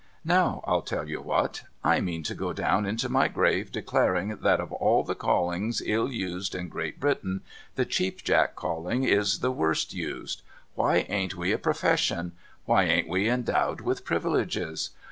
Now I'll tell you what. I mean to go down into my grave declaring that of all the callings ill used in Great Britain, the Cheap Jack calling is the worst used. Why ain't we a profession ? Why ain't we endowed with privileges